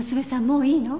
もういいの？